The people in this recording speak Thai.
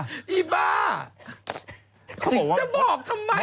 จะบอกทำไม